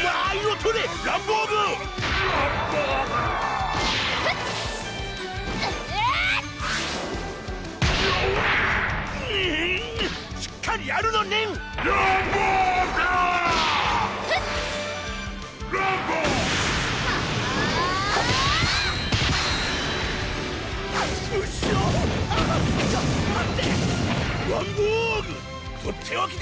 とっておきだ！